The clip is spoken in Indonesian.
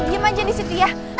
diam aja disitu ya